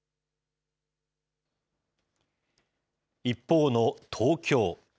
一方の東京。